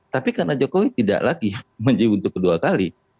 tapi karena jokowi tidak lagi menjibun ke kedua kali